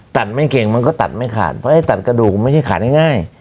ไม่เก่งมันก็ตัดไม่ขาดเพราะไอ้ตัดกระดูกไม่ใช่ขาดง่าย